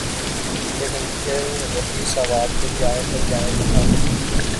لیکن پھر وہی سوال کہ جائیں تو جائیں کہاں۔